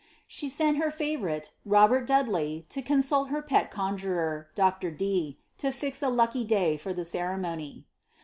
She sent her &voar ite, Robert Dudley, to consult her pet conjuror. Dr. Dee, to Et a lucky day for the ceremony.